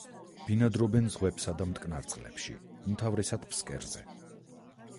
ბინადრობენ ზღვებსა და მტკნარ წყლებში, უმთავრესად ფსკერზე.